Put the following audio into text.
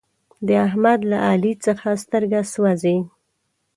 د احمد له علي څخه سترګه سوزي.